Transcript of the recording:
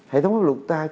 hệ thống pháp luật ta